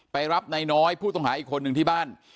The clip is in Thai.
ไปรับนายน้อยผู้ต้องหาอีกคนหนึ่งที่บ้าน